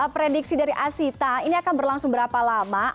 prediksi dari asita ini akan berlangsung berapa lama